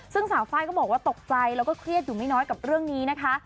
ซึ่งสาวไฟล์ก็บอกว่าตกใจแล้วก็เครียดอยู่ไม่น้อยกับเรื่องนี้นะคะ